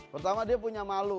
pertama dia punya malu